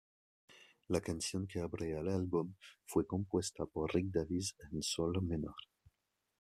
La canción, que abre el álbum, fue compuesta por Rick Davies en Sol menor.